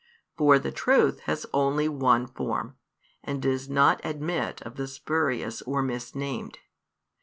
For the truth has only one form, and does not admit of the spurious or mis named.